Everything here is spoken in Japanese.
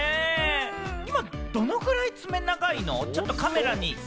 今どのくらい爪、長いの？